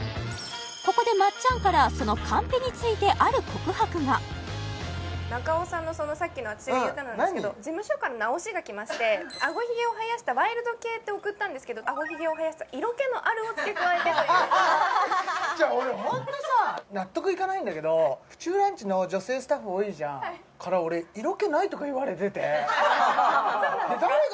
ここでまっちゃんからそのカンペについてある告白が中尾さんのさっきの私が言ったのなんですけど事務所から直しが来まして「あごひげを生やしたワイルド系」って送ったんですけど「あごひげを生やした色気のある」を付け加えてという俺ホントさ「プチブランチ」の女性スタッフ多いじゃんから俺「色気ない」とか言われててそうなんですか？